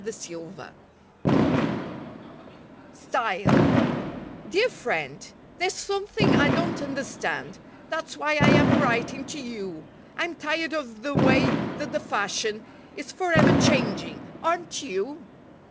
TO LIFE WAVES STYLE Dear Friend: There's something I don't understand, That's why I am writing to you; I'm tired of the way that "the fashion" Is forever changing, aren't you?